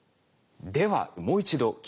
ではもう一度聴いてみましょう。